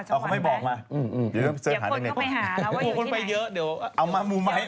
เออเขาไม่บอกมาเดี๋ยวเขาไปหาเราว่าอยู่ที่ไหน